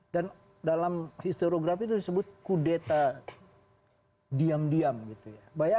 dan dalam historiografi itu disebut kudeta diam diam gitu ya